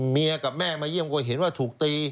แม่กับแม่มาเยี่ยมก็เห็นว่าถูกตี